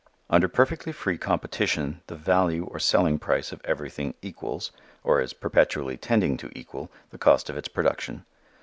_Under perfectly free competition the value or selling price of everything equals, or is perpetually tending to equal, the cost of its production.